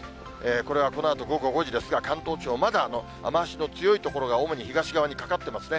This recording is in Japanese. これはこのあと午後５時ですが、関東地方、まだ雨足の強い所が主に東側にかかってますね。